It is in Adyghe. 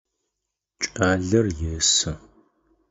Кӏалэр есы.